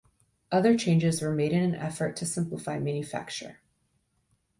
Other changes were made in an effort to simplify manufacture.